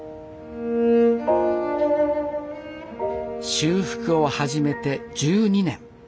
修復を始めて１２年。